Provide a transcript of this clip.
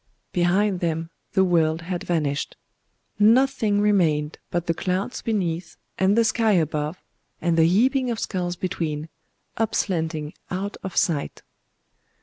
Behind them the world had vanished. Nothing remained but the clouds beneath, and the sky above, and the heaping of skulls between,—up slanting out of sight.